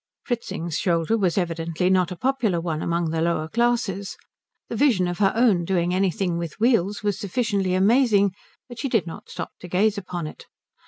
Fritzing's shoulder was evidently not a popular one among the lower classes. The vision of her own doing anything with wheels was sufficiently amazing, but she did not stop to gaze upon it.